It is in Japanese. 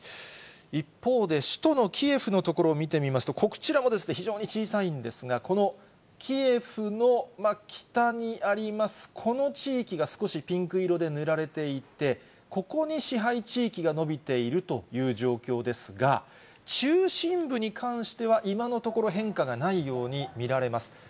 一方で首都のキエフの所を見てみますと、こちらも非常に小さいんですが、このキエフの北にあります、この地域が少しピンク色で塗られていて、ここに支配地域が延びているという状況ですが、中心部に関しては、今のところ、変化がないように見られます。